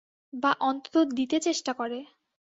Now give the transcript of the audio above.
বা, অন্তত দিতে চেষ্টা করে।